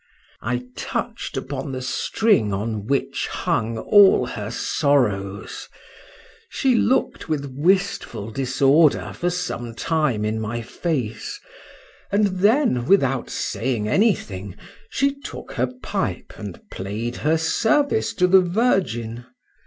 I touch'd upon the string on which hung all her sorrows:—she look'd with wistful disorder for some time in my face; and then, without saying any thing, took her pipe and play'd her service to the Virgin.